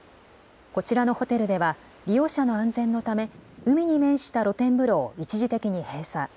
こちらのホテルでは、利用者の安全のため、海に面した露天風呂を一時的に閉鎖。